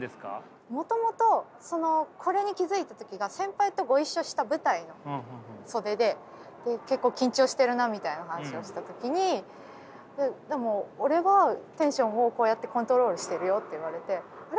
もともとそのこれに気付いた時が先輩とご一緒した舞台の袖で結構緊張してるなみたいな話をした時にでも俺はテンションをこうやってコントロールしてるよって言われてあれ？